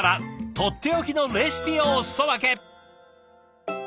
とっておきのレシピをおすそ分け。